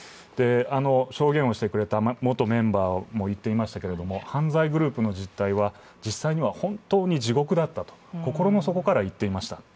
証言をしてくれた元メンバーも行っていましたけれども、犯罪グループの実態は実際には本当に地獄だったと心の底から言っていました。